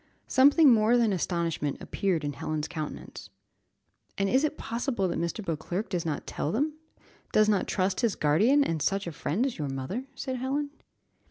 Something more than astonishment appeared in Helen's countenance. "And is it possible that Mr. Beauclerc does not tell them, does not trust his guardian and such a friend as your mother?" said Helen.